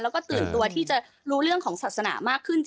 แล้วก็ตื่นตัวที่จะรู้เรื่องของศาสนามากขึ้น